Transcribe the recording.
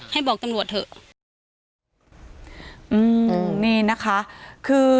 ให้บอกตำรวจเเถอะ